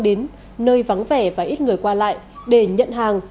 đến nơi vắng vẻ và ít người qua lại để nhận hàng